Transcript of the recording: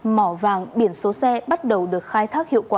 mỏ vàng biển số xe bắt đầu được khai thác hiệu quả